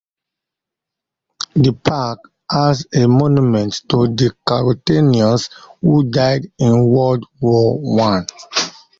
The park has a monument to the Carrolltonians who died in World War One.